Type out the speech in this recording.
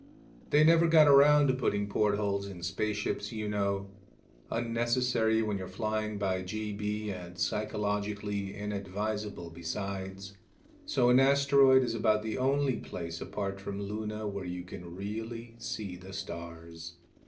They never got around to putting portholes in spaceships, you know unnecessary when you're flying by GB, and psychologically inadvisable, besides so an asteroid is about the only place, apart from Luna, where you can really see the stars.